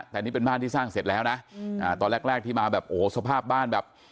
แต่นี่เป็นบ้านที่สร้างเสร็จแล้วนะตอนแรกแรกที่มาแบบโอ้โหสภาพบ้านแบบ